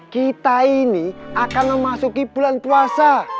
kita ini akan memasuki bulan puasa